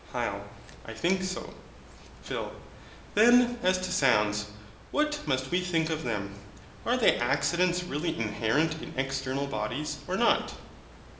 HYL. I think so. PHIL. Then as to SOUNDS, what must we think of them: are they accidents really inherent in external bodies, or not?